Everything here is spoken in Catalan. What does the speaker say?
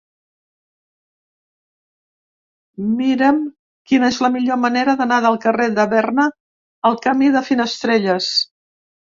Mira'm quina és la millor manera d'anar del carrer de Berna al camí de Finestrelles.